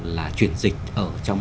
là chuyển dịch ở trong